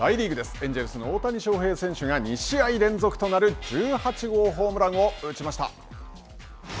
エンジェルスの大谷翔平選手が２試合連続となる１８号ホームランを打ちました。